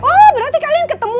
oh berarti kalian ketemu